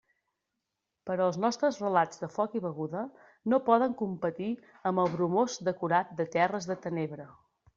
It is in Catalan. Però els nostres relats de foc i beguda no poden competir amb el bromós decorat de terres de tenebra.